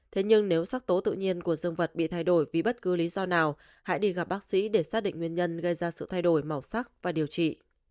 thế nhưng nếu sắc tố tự nhiên của dương vật bị thay đổi vì bất cứ lý do nào hãy đi gặp bác sĩ để xác định nguyên nhân gây ra sự thay đổi màu sắc và điều trị